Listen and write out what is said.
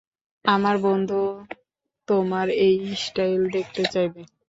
আমার বন্ধুও তোমার এই স্টাইল দেখতে চাইবে।